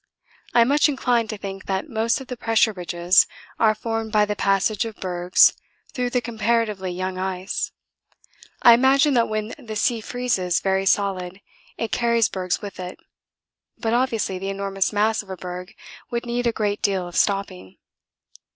I am much inclined to think that most of the pressure ridges are formed by the passage of bergs through the comparatively young ice. I imagine that when the sea freezes very solid it carries bergs with it, but obviously the enormous mass of a berg would need a great deal of stopping.